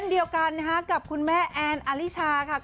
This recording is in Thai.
เดียวกันนะคะกับคุณแม่แอนอลิชาค่ะ